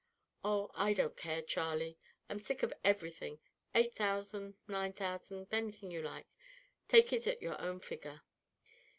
"Oh, I don't care, Charlie; I'm sick of everything; eight thousand, nine thousand, anything you like; take it at your own figure."